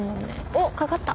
おかかった。